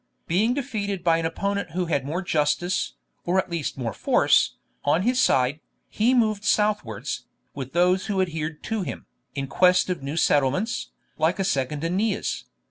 Being defeated by an opponent who had more justice, or at least more force, on his side, he moved southwards, with those who adhered to him, in quest of new settlements, like a second AEneas.